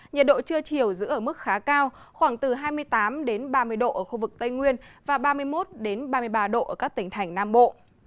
nhiệt độ trưa chiều giữ ở mức khá cao khoảng từ hai mươi tám ba mươi độ ở khu vực tây nguyên và ba mươi một ba mươi ba độ ở các tỉnh thành nam bộ